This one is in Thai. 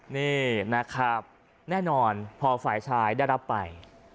นี่นะครับแน่นอนพอฝ่ายชายได้รับไป